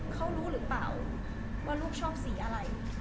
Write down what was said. เขารู้หรือเปล่าว่าลูกชอบสีอะไร